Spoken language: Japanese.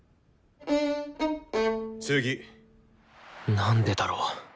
なんでだろう？